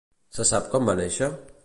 Se sap quan va néixer?